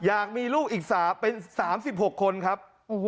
อยากมีลูกอีกเป็น๓๖คนครับ